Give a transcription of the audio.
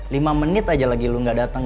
lima menit aja lagi lu gak datang